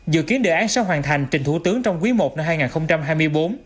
dự kiến đề án sẽ hoàn thành trình thủ tướng trong quý i năm hai nghìn hai mươi bốn